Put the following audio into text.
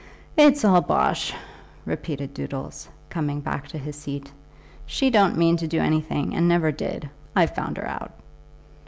"It's all bosh," repeated Doodles, coming back to his seat. "She don't mean to do anything, and never did. I've found her out."